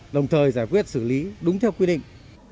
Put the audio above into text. đồng thời giải quyết xử lý đúng theo quy định